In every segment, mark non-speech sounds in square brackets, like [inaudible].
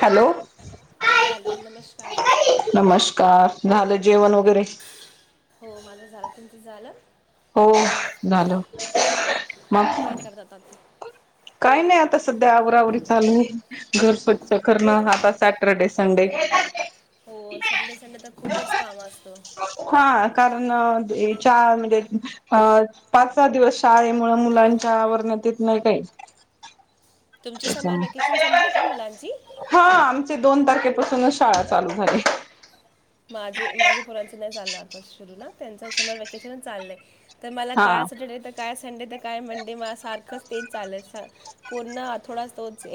Hello hello नमस्कार नमस्कार झालं जेवण वगैरे हो माझं झालं तुमचं झालं हो झालं काय मग करतात आता काही नाही आता सध्या आवरावरी चालूय घर स्वच्छ करण आता सॅटरडे संडे ह हो सॅटर्डे संडे तर खूपच काम असतो हा कारण म्हणजे अं पाच सहा दिवस शाळे मुळ मुलांच्या आवर्णतेत नाही काय तुमची समर वॅकेशन संपली का मुलांची सूनच शाळा चालू झाली माझे माझे पोरांचे नाही आ सुरू ना त्यांच समर वकेशनच चाललंय तर मला हा काय सॅटरडे तर काय संडे तर काय मंडे मला सात तेच चाल पनण थोडा तोच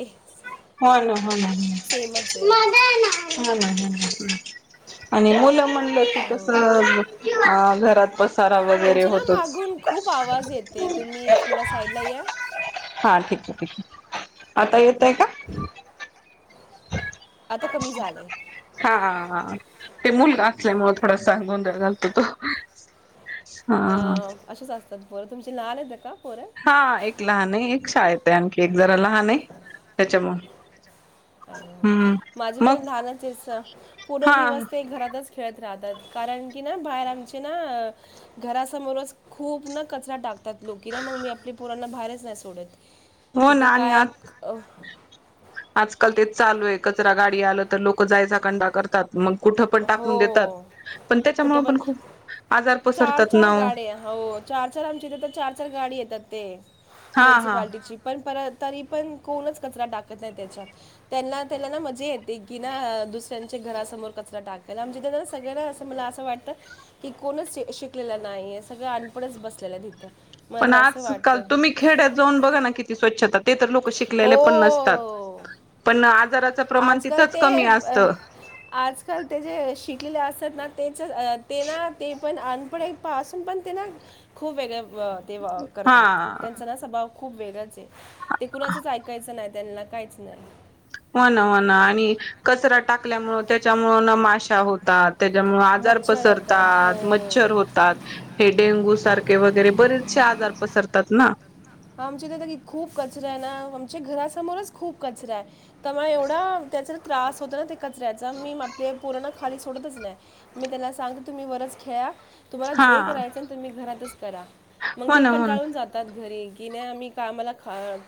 हो ना हो ना सेमच आहे हो ना. आणि मुलं म्हण कस हो घरात पसारा वगैरे तुमचे ना होतोच मागून खूप आवाज येते तुम्ही थोडं साईडला या. हा ठीक आहे ठीक आता येतय का? ह्. आता कमी झालंय. हा, ते मुलगा असल्यामु थोडासा गोंधळ घालतो तो. हा असंच असत. तर बरं तुमचे लाल आहेत ना का? पोरं हा, एक लहान आहे एक शाळेत आहे, आणखी एक जरा लहान आहे त्याच्यामुळ माझे पण मग लहानच आहेत पूर्ण हा दिवस ते घरातच खेळत राहतात, कारण की ना बाहेर आमचे ना घरासमोरच खूप ना कचरा टाकतात लोक की ना मग मी आपल्या पोरांना बाहेरच नाही सोडत. हो ना तिथं आणि काय आज अ आजकाल तेच चालू आहे, कचरा गाडी आलं तर लोक जायचा कंटाळा करतात. मग कुठं पण हो टाकून देतात हो, पण कुठे त्याच्यामुळे पण खूप आजार चार पसरतात ना चार ओ गाड हो चार चार आमची येते तर चार चार गाडी येतात ते हा हा मुन्सीपार्टीची पण परत. तरी पण कोणच कचरा टाकत नाही त्याच्यात त्यांना त्याना मजा येते की ना दुसऱ्यांच्या घरासमोर. टाकायला. आमच्याइथे सगळ्यांना असं मला असं वाटतं की कोणच शिकलेला नाही आहे. सगळं अनपडच बसलेलं आहे इथ. पण आज काल तुम्ही खेड्यात जाऊन बघा ना किती स्वच्छता. ते तर लोक शिकलेले पण हो नसतात पण आजाराचं प्रमाण आजकाल तिथंच ते कमी असत. अ, आजकाल ते जे शिकलेले असतात ना त्याचं तेना ते पण अनपढ्यापासून पण त्यांना खूप वेगळं. ते हा करतात त्यांचा ना स्वभाव. खूप वेगळच आहे. ते कुणाचच ऐकायचं नाही त्यांना काहीच नाही. हो ना हो ना आणि कचरा टाकल्यामुळ त्याच्यामुळं ना माशा होतात. त्याच्यामुळे आजार मच्छर होतात पसरतात हो मच्छर होतात हे डेंगू सारखे वगैरे बरेचसे आजार... पसरतात ना. आमच्या इथे खूप कचरा आहे ना आमच्या घरासमोरच खूप कचरा आहे तर त्यामुळे एवढा त्याचा त्रास होतो ना ते कचऱ्याचा मी आपले पोरांना खाली सोडतच नाही मी त्याला सांगते तुम्ही वरच खेळा. तुम्हाला हा जे करायचं ना तुम्ही घरातच. करा. मग हो ते ना हो ना कंटाळून जातात घरी. की नाही आम्ही का आम्हाला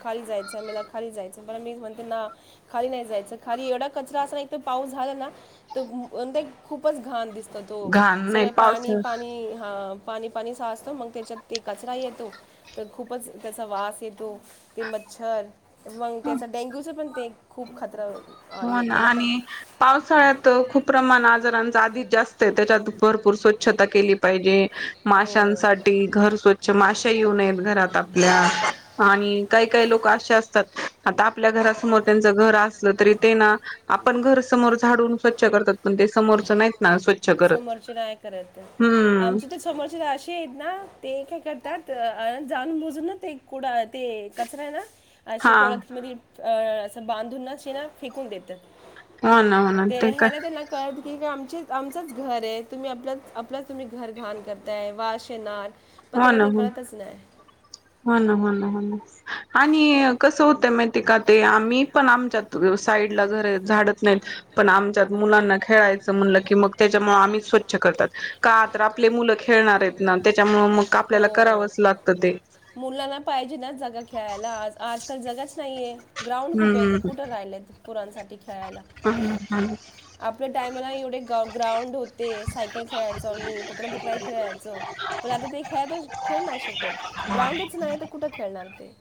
खाली जायचं मला खाली जायचं पण मी म्हणते ना खाली नाही जायचं खाली एवढा कचरा अस नाही एक तर पाऊस झाला ना तर खूपच घाण दिसत. तर तो घाण नाही सगळं पाणी पावसाळा पाणी हा. पाणी पाणी साचत मग त्याच्यात तो कचरा येतो तर खूप खूपच त्याचा वास येतो. ते मच्छर मग ते असं डेगूच पण... [unintelligible] हो ना येतो मग आणि पावसाळ्यात खूप प्रमाण आजारांच आधीच जास्त आहे त्याच्यात भरपूर स्वच्छता.... केली पाहिजे हो माशांसाठी घर स्वच्छ माशा येऊ नयेत घरात आप..... आणि काही काही लोक असे असतात आता आपल्या घरासमोर त्यांच घर असलं तरी..... ते ना आपण घर समोर झाडून स्वच्छ करतात पण ते समोरच नाही... समोरचे नाही करत हम्म आमचे तर समोरचे ना असे आहेत ना ते काय करत... त्यात जाणून बुजून ना ते कुड ते कचरा आहे ना... [unintelligible] हा असं बांधूनना शि ना फेकून देतात हो ना हो ना तेर ते ह काय ना तेला कत क काम म असंच घर आहे तुम्ही आपला आपलं तुम्ही घर घाण करताय वाशेनार पण त्यांना ते कळतच नाही ह ना हो ना ह आणि कसं होतं माहिती का ते आम्ही पण आमच्यात साईडला घर झाडत नाहीत पण आमच्यात मुलांना खेळायचं म्हणलं की मग त्याच्यामुळे आम्ही स्वच्छ करतात का तर आपले मुलं खेळणार आहेत ना त्या त्याच्यामुळेळ मग आपल्याला करावंच लागतं ते मुलांना पाहिजे ना जागा खेळायला आ आजकाल जगच नाही आहे ग्राउंड कुठे हम्म कुठे राहिले आहेत पुरांसाठी खेळायला हम्म आपल्या टायमाला एवढे ग्राउंड होते सायकल खेळायचो आम्ही पकड पकडाई खेळायचो पण आता ते खेळ तर खेळ नाही शकत ग्राउंडच नाही तर कुठं खेळणार ते